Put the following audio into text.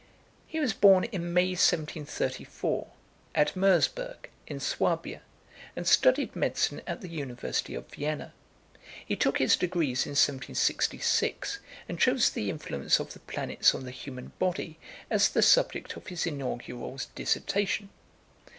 He was born in May 1734, at Mersburg, in Swabia, and studied medicine at the University of Vienna. He took his degrees in 1766, and chose the influence of the planets on the human body as the subject of his inaugural dissertation.